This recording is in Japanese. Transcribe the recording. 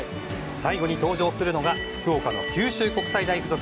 最後に登場するのが福岡の九州国際大付属。